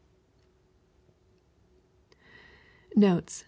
Notes.